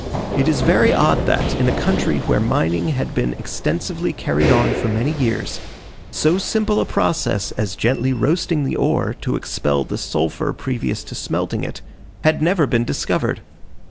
It is very odd that, in a country where mining had been extensively carried on for many years, so simple a process as gently roasting the ore to expel the sulphur previous to smelting it, had never been discovered.